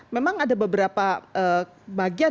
memang ada beberapa bagian